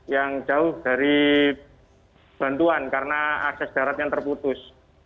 yang jauh dari bantuan karena akses daratnya terputus